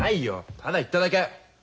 ただ言っただけ。